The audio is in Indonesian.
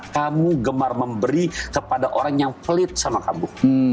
kamu gemar memberi kepada orang yang pelit sama kamu